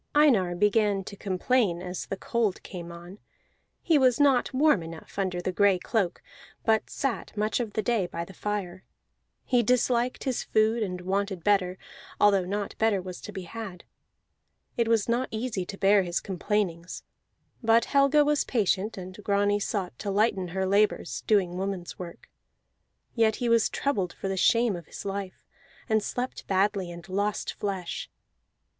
Einar began to complain as the cold came on; he was not warm enough under the gray cloak, but sat much of the day by the fire. He disliked his food and wanted better, although naught better was to be had. It was not easy to bear his complainings; but Helga was patient, and Grani sought to lighten her labors, doing woman's work. Yet he was troubled for the shame of his life, and slept badly, and lost flesh.